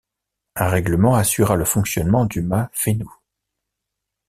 Un règlement assura le fonctionnement du mât Fénoux.